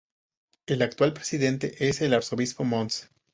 El actual Presidente es el arzobispo Mons.